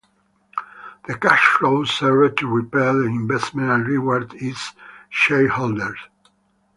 The cash flows serve to repay the investment and reward its shareholders.